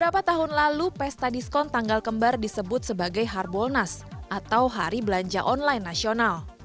beberapa tahun lalu pesta diskon tanggal kembar disebut sebagai harbolnas atau hari belanja online nasional